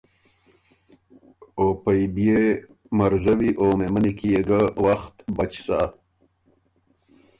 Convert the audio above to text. او پئ بيې مرزوی او مهمنی کی يې ګۀ وخت بچ سَۀ۔